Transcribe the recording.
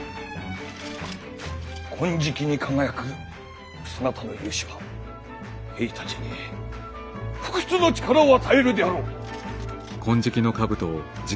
金色に輝くそなたの雄姿は兵たちに不屈の力を与えるであろう！